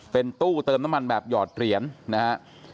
เป็นตู้เติมน้ำมันแบบหยอดเหรียญนะฮะ